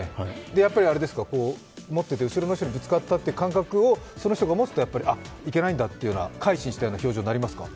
やっぱり、持ってて後ろの人にぶつかったという感覚をその人が持つと、あっ、いけないんだと、改心したような表情になりますか？